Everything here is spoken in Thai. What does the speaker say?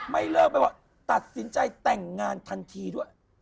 ไม่เลิกไม่ว่าตัดสินใจแต่งงานทันทีด้วย